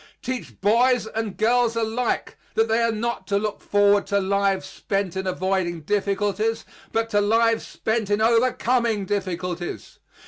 Teach boys and girls alike that they are not to look forward to lives spent in avoiding difficulties, but to lives spent in overcoming difficulties.